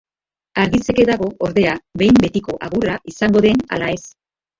Argitzeke dago, ordea, behin betiko agurra izango den ala ez.